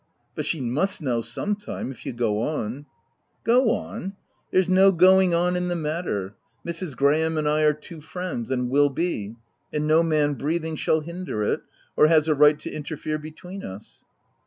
" But she must know sometime, if you go on." " Go on !— there's no going on in the matter Mrs. Graham and I are two friends — and will be ; and no man breathing shall hinder it, — or has a right to interfere between us."